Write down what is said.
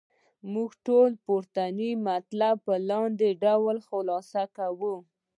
موږ ټول پورتني مطالب په لاندې ډول خلاصه کوو.